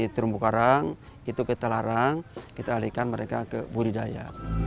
sekarang kita alihkan mereka ke budidaya